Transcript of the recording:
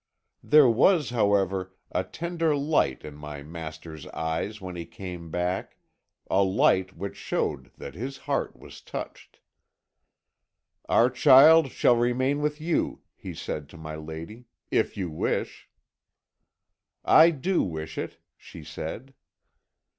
There was, however, a tender light in my master's eyes when he came back, a light which showed that his heart was touched. "'Our child shall remain with you,' he said to my lady, 'if you wish.' "'I do wish it," she said.